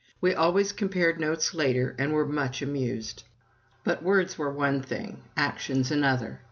We always compared notes later, and were much amused. But words were one thing, actions another.